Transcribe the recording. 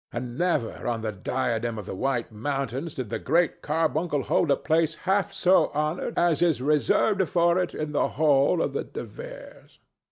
And never on the diadem of the White Mountains did the Great Carbuncle hold a place half so honored as is reserved for it in the hall of the De Veres."